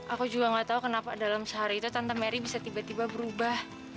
aku juga gak tahu kenapa dalam sehari itu tante mary bisa tiba tiba berubah